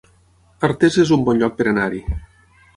Artés es un bon lloc per anar-hi